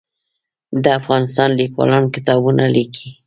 د افغانستان لیکوالان کتابونه لیکي